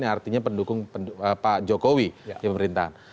yang artinya pendukung pak jokowi di pemerintahan